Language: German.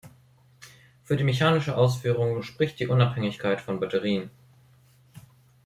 Für die mechanische Ausführung spricht die Unabhängigkeit von Batterien.